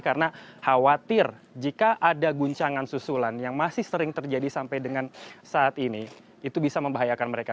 karena khawatir jika ada guncangan susulan yang masih sering terjadi sampai dengan saat ini itu bisa membahayakan mereka